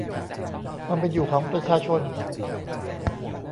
ความเป็นอยู่ของประชาชน